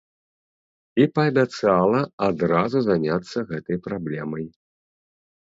І паабяцала адразу заняцца гэтай праблемай.